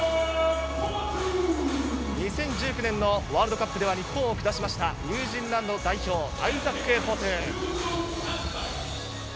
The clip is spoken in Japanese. ２０１９年のワールドカップでは日本を下しましたニュージーランド代表、アイザック・フォトゥ。